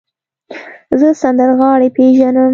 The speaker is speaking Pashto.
زه سندرغاړی پیژنم.